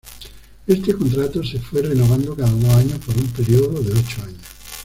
Este contrato se fue renovando cada dos años por un período de ocho años.